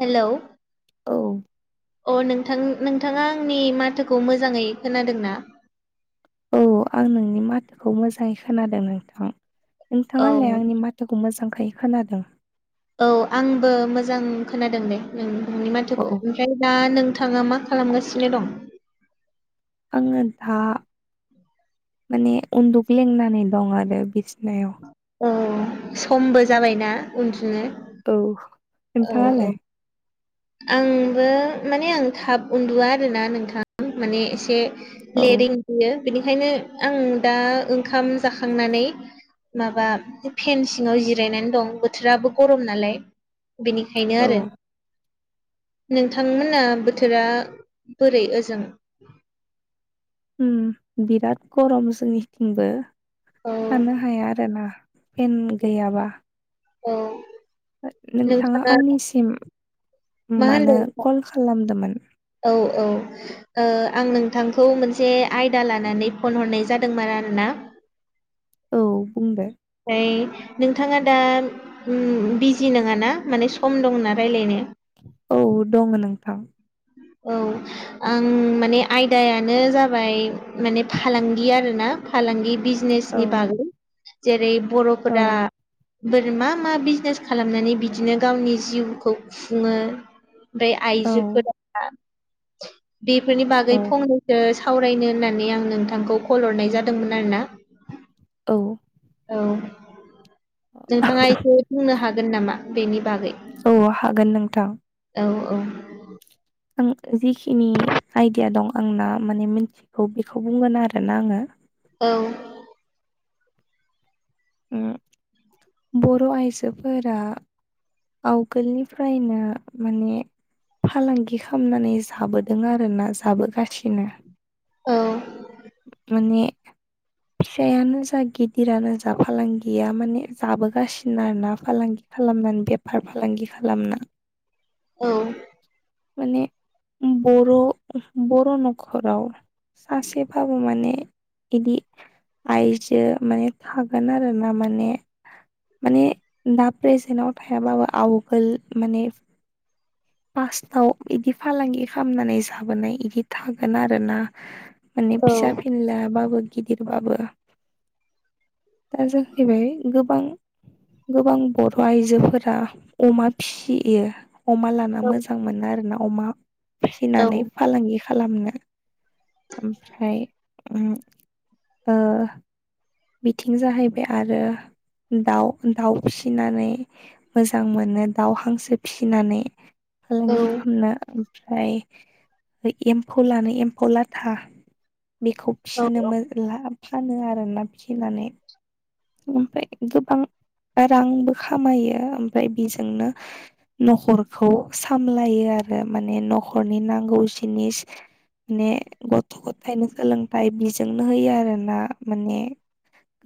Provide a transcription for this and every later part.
Hello. औ। अ नोंथां, नोंथाङा आंनि माथोखौ मोजाङै खोनादों ना? औ आं नोंनि माथोखौ मोजाङै खोनादों नोंथां। औ नोंथाङालाय आंनि मा थोखौ मोजांहै खोनादों? औ आंबो मोजां खोनादों नदे नों नोंनि औ माथोखौ ओमफाय दा नोंथाङा मा खालामगासिनो दं? आङो दा, माने उन्दु ग्लेंनानै दं आरो बिस्नायाव। औ। समबो जाबायना उन्दुनो? औ औ औ नोंथाङालाय आंबो माने आं थाब उन्दुआ आरोना नोंथां माने एसे औ लेदै उन्दुयो। बेनिखायनो आं दा ओंखाम जाखांनानै माबा फेन सिङाव जिरायनानै दं बोथोराबो गरम नालाय। बेनिखायनो औ आरो नोंथांमोना बोथोरा बोरै ओजों? उम बिराद गरम जोंनिथिंबो औ थानो हाया आरो ना। पेन गैयाबा औ। नोंथाङा आंनिसिम मा मानो होनदों? कल खालामदोमोन औ औ ओ आं नोंथांखौ मोनसे आयदा लानानै फन हरनाय जादोंमोन आरोना। औ बुं दे। फाय नोंथाङा दा उम बिजि नोङाना माने सम दंना रायलायनो? औ दङो नोंथां। औ आं माने आयदायानो जाबाय माने फालांगि आरोना फालांगि बिज बिजिनेस औ नि बागै जेरै औ बर'फोरा बोरै मा मा बिजिनेस खालामनानै बिदिनो गावनि जिउखौ खुङो। ओमफाय औ आइजोफोरा बेफोरनि बागै औ फंनैसो सावरायनो होननानै आं नोंथांखौ कल हरनाय जादोंमोन आरो ना। औ औ नोंथाङा एसे बुंनो हागोन नामा? बेनि बागै। औ हागोन नोंथां। औ औ आं जिखिनि आयदिया दं आंना माने मिथिगौ बेखौ बुंगोन आरोना आङो। औ उम [inaudible] बर' आइजोफोरा आवगोलनिफ्रायनो माने फालांगि खालामनानै जाबोदों आरोना जाबोगासिनो। औ माने फिसायानो जा गिदिरानो जा फालांगिया माने जाबोगासिनो आरोना फालांगि खालामनानै बेफार फालांगि खालामना औ माने बर' बर' न'खराव सासे बाबो माने इदि आइजो माने थागोन आरो ना माने माने दा प्रेजेन्टाव थायाबाबो आवगोल माने फास्टाव इदि फालांगि खालामनानै जाबोनाय इदि थागोन आरो ना। माने औ फिसा फिनलाबाबो गिदिरबाबो दा जाहैबाय गोबां गोबां बर' आइजोफोरा अमा फियो अमा लाना मोजां मोनो आरो ना। अमा औ फिसिनानै फालांगि खालामनो। ओमफ्राय ओ बिथिं जाहैबाय आरो दाउ दाउ फिसिनानै मोजां मोनो दाउ, हांसो फिसिनानै औ फालांगि खालामनो। फाय ओय एम्फौ लानो एम्फौ लाथा बेखौ औ फिसिनोमो ला फानो आरोना फिनानै ओमफाय गोबां रांबो खामायो। ओमफाय बेजोंनो नखरखौ सामलायो आरो माने नखरनि नांगौ जिनिस माने गथ' गथायनो सोलोंथाइ बिजोंनो होयो आरोना माने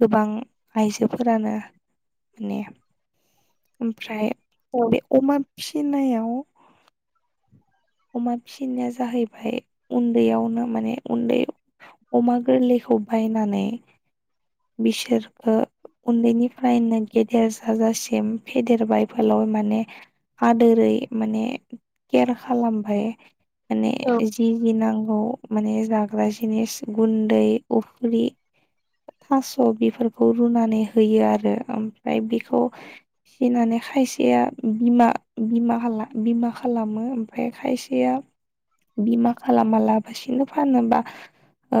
गोबां आइजोफोरानो माने ओमफ्राय बे अमा फिनायाव अमा फिसिनाया जाहैबाय उन्दैयावनो माने उन्दै अमा गोरलैखौ बायनानै बिसोरखो उन्दैनिफ्रायनो गेदेर जाजासिम फेदेरबाय फोलावबाय माने आदोरै माने केयार खालामबाय। माने औ जि जि नांगौ माने जाग्रा जिनिस गुन्दै उफ्रि थास' बेफोरखौ रुनानै होयो आरो। ओमफाय बेखौ फिनानै खायसेया बिमा बिमा बिमा खालामो ओमफ्राय खायसेया बिमा खालामा लाबसिनो फानोबा ओ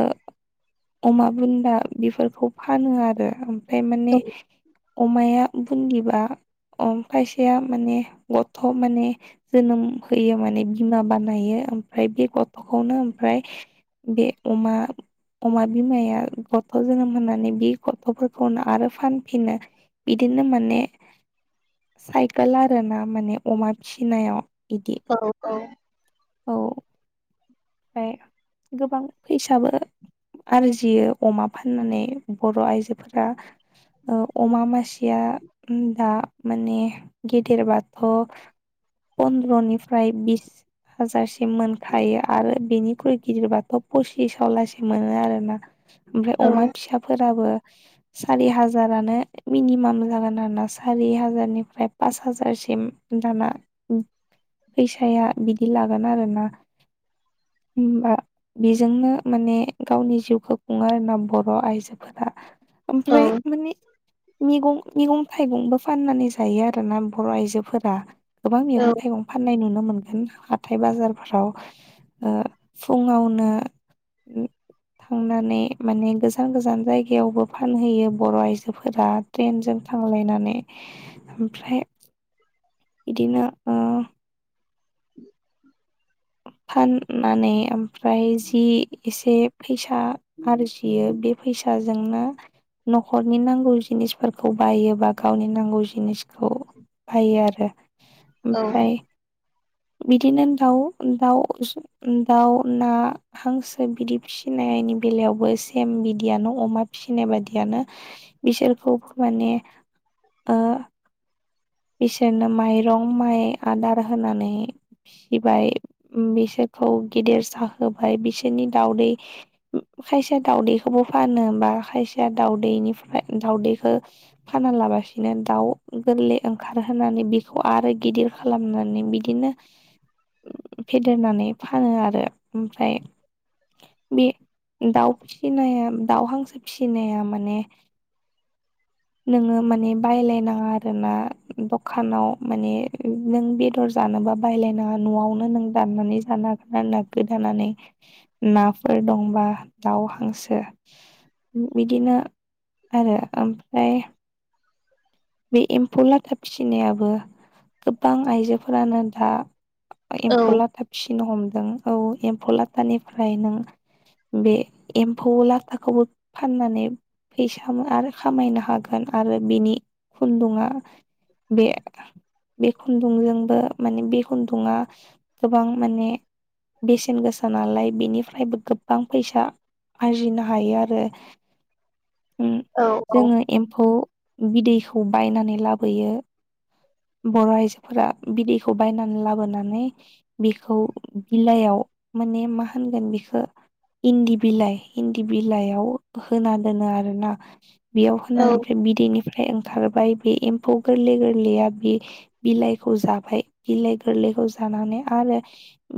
अमा बुन्दा बेफोरखौ फानो आरो ओमफ्राय माने अमाया बुन्दिबा खायसेया माने गथ' माने जोनोम होयो माने बिमा बानायो ओमफ्राय बे गथ'खौनो ओमफ्राय बे अमा अमा बिमाया। गथ' जोनोम होनानै बि गफ'फोरखौनो आरो फानफिनो बिदिनो माने साइकेल आर ना माने अमा फिनायाव इदि औ औ। औ। ओमफ्राय गोबां फैसाबो। आरजियो अमा फाननानै बर' आइजोफोरा अमा मासिया दा माने गेदेर बाथ' पन्द्रनिफ्राय बिस हाजारसिम मोनखायो। आरो बिनिख्रुइ गिदिरबाथ' पसिसाव लासे मोनो आरो ना। ओमफ्राय अमा फिसाफोराबो। सारि हाजारानो मिनिमाम जागोन आरो ना सारि हाजारनिफ्राय पास हाजारसिम। दाना फैयसाया बिदि लागोन आरो ना। हबा बेजोंनो माने गावनि जिउखौ खुंङो आरोना बर' आइजोफोरा। ओमफ्राय माने मैगं मैगं थाइगंबो फाननानै जायो आरोना बर' आइजोफोरा गोबां मैगं थाइगं फाननाय नुनो मोनगोन हाथथाय बाजारफोराव। फुंङावनो थांनानै माने गोजान गोजान जायगायावबो फानहैयो बर' आइजोफोरा। ट्रेनजों थांलायनानै ओमफ्राय बिदिनो ओ [inaudible] फाननानै ओमफ्राय जि एसे फैसा आरजियो बे फैसाजोंनो न'खरनि नांगौ जिनिसफोरखौ बायोबा गावनि नांगौ जिनिसखौ बायो आरो ओमफ्राय। बिदिनो दाउ दाउ दाउ ना हांसो बिदि फिसिनायनि बेलायावबो सेम बिदियानो अमा फिसिनाय बायियानो बिसोरखौ माने बिसोरनो माइरं माइ आदार होनानै। फिसिबाय बिसोरखौ गेदेर साहोबाय बिसोरनि दावउदै खायसेया दाउदैखौबो फानो बा खायसेया दाउदैनिफ्राय दाउदैखौ फाना लाबासिनो दाउ गोरलै खारहानै बेखौ आरो गिदिर खालामनानै बिदिनो। फेदेरनानै फानो आरो। ओमफ्राय बे दाउ फिसिनाया दाउ हांसो। फिसिनाया माने नोङो माने बायलायनाङा आरोना। दखानाव माने नों बेदर जानोबा बायलायनाङा न'आवनो नों दाननानै जानो हागोन। [unintelligible] [inaudible] नाफोर दंबा दाउ हांसो। बिदिनो आरो ओमफ्राय। बे एम्फौ लाथा फिसिनायाबो। गोबां आइजोफोरानो दा एम्फौला टाइप। सिन हमदों औ एम्फौ लाथानिफ्राय नों बे एम्फौ लाथाखौबो फाननानै फैसा आरो खामायनो हागोन आरो बिनि खुन्दुङा बे बे खुन्दुंजोंबो माने बे खुन्दुा गोबां माने बेसेन गोसा नालाय बेनिफ्रायबो गो गोबां फैसा आरजिनो हायो आरो जोङो एम्फौ बिदैखौ बायनानै लाबोयो बर' आइजोफोरा बिदैखौ बायनानै लाबोनानै बेखौ बिलाइयाव माने मा होनगोन बेखौ इन्दि बिलाइ इन्दि बिलाइयाव होना दोनो आरो ना बेयाव होनानै ओमफ्राय बिदैनिफ्राय ओंखारबाय बे एम्फौ गोरलै गोरलैया बे बिलाइखौ जाबाय बिलाइ गोरलैखौ जानानै आरो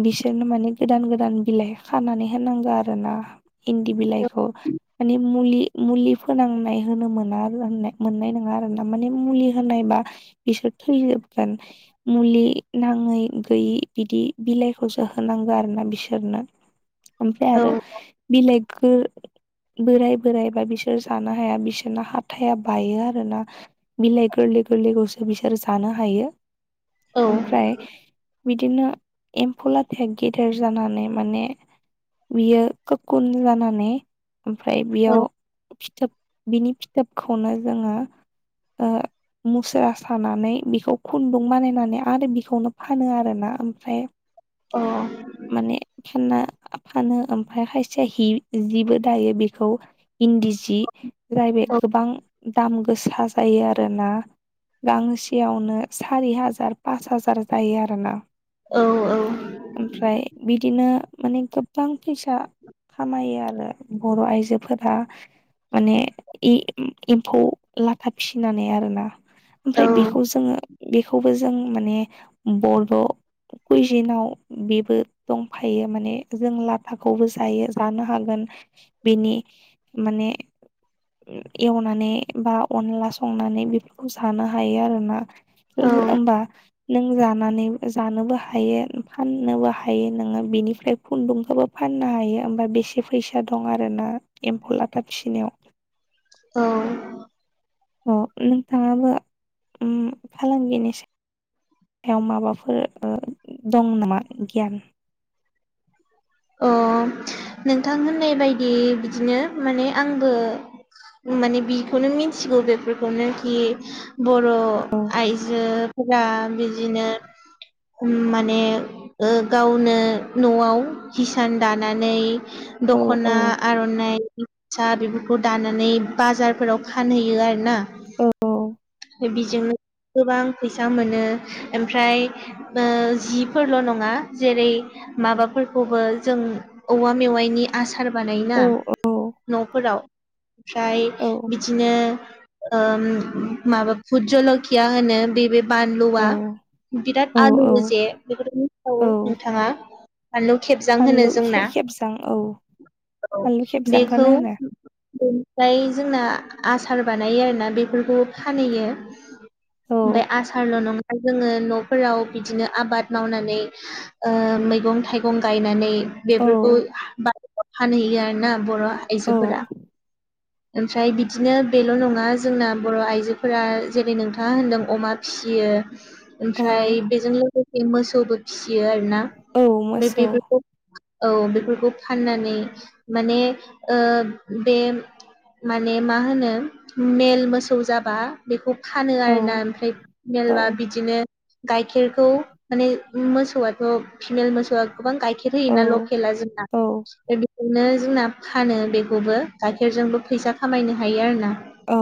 बिसोरनो माने गोदान गोदान बिलाइ खानानै होनांगौ आरो ना इन्दि बिलाइखौ माने मुलि मुलि फोनांनाय होनो मोना होन मोननाय नङा आरो ना माने मुलि होनायबा बिसोर थैजोबगोन मुलि नाङै गैयि बिदि बिलाइखौसो होनांगौ आरो ना बिसोरनो ओमफ्राय आरो बिलाइ गो बोराइ बोराइबा बिसोर जानो हाया बिसोरना हााथाइया बायो आरो ना बिलाइ गोरलै गोरलैखौसो बिसोर जानो हायो ओमफ्राय बिदिनो एम्फौ लाथाया गेदेर जानानै माने बियो खुन जानानै ओमफ्राय बेयाव फिथोब बिनि फिथोबखौनो जोङो मुसुरा सानानै बेखौ खुन्दुं बानायनानै आरो बेखौनो फानो आरोना ओमफ्राय माने फानना फानो ओमफ्राय खायसेया हि जिबो दायो बेखौ इन्दि सि जाय बे गोबां दाम गोसा जायो आरोना गांसेयावनो सारि हाजार पास हाजार जायो आरोना ओमफ्राय बि बिदिनो माने गोबां फैसा खामायो आरो बर' आइजोफोरा माने इ एम्फौ लाथा फिसिनानै आरोना ओमफ्राय बेखौ जोङो बेखौबो जों माने बर'' कुइजिनाव बेबो दंफायो माने जों लाथाखौबो जायो जानो हागोन बिनि माने एवनानै बा अनला संनानै बेफोरखौ जानो हायो आरो ना औ होमबा नों जानानै जानोबो हायो फाननोबो हायो नोङो बिनिफ्राय खुन्दुंखौबो फाननो हायो होमबा बेसे फैसा दं आरोना एम्फौ लाथा फिसिनायाव औ अ नोंथाङाबो उ फालांगिनिस बेयाव माबाफोर ओ दं नामा गियान अ नोंथां होननाय बायदि बिदिनो माने आंबो माने बिखौनो मिथिगौ बेफोरखौनो कि बर' औ आइ जोफोरा बिदिनो माने गावनो न'आव हिसान दानानै औ औ दख'ना आर'नाइ फास्रा बेफोरखौ दानानै बाजारफोराव फानहैयो आरोना औ म बेजोंनो गोबां फैसा मोनो ओमफ्राय जिफोरल' नङा जेरै माबाफोर खौबो जों औवा मेवाइनि आसार औ बानायोना न'फोराव ओमफ्राय औ बिदिनो ओम माबा फुद जलखिया होनो बे बानलुआ औ बिराद औ औ आलौवो जे बेखौथ' मिथि औ [unintelligible] नोंथाङा बानलु खेबजां होनो फानलु खे जोंना खेबजां औ औ फानलु बेखौ खेबजांखौनो होनो बेनिफ्राय जोंना आसार बानायो आरोना बेफोरखौ फानहयो औ ओमफाय आस सारल' नङा जोङो न'फोराव बिदिनो आबाद मावनानै ओ मैगं थाइ गं गायनानै औ बेफोरखौ बा फानहैयो आरोना बर'आ औ आइजोफोरा ओमफ्राय बिदिनो बेल' नङा जोंना बर' आइजोफोरा जेरै नोंथाङा होनदों अमा फियो औ ओमफ्राय बेजों लोगोसे मोसौबो फिसियो आरोना औ [unintelligible] फ्राय मोसौ बेफोरखौ औ बेफोरखौ फाननानै माने ओ बे माने मा होनो मेल मोसौ जाबा बेखौ फानो औ आरोना ओमफ्राय [unintelligible] औ मेलबा बिदिनो गाइखेरखौ माने मोसौआथ' फिमेल मोसौआ गोबां गाइखेर औ होयोना लकेला जोंना औ [unintelligible] बिदिनो जोंना फानो बेखौबो गाइखेरजोंबो फैसा खामायनो हायो आरोना। औ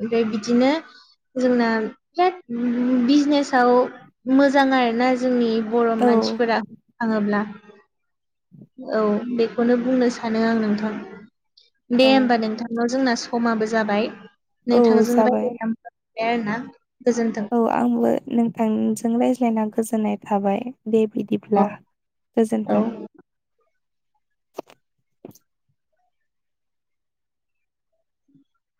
ओमफाय बिदिनो जोंना [unintelligible] बिजनेसाव मोजां आरोना जोंनि बर' मानसिफोरा थाङोब्ला औ बेखौनो बुंनो सानो आं नोंथां दे औ होमबा नोंथां ना [unintelligible] जोंना स समाबो जाबाय औ नोंथांजों जाबाय रायलाय [unintelligible] आरोना गोजोन्थों औ आंबो नोंथांजों रायज्लायना गोजोननाय थाबाय दे बिदिब्ला औ औ गोजोन्थों